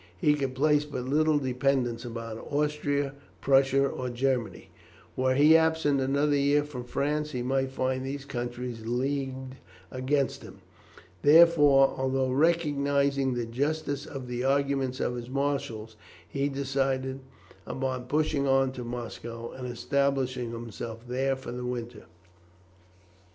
He could place but little dependence upon Austria, Prussia, or Germany. Were he absent another year from France he might find these countries leagued against him. Therefore, although recognizing the justice of the arguments of his marshals, he decided upon pushing on to Moscow, and establishing himself there for the winter.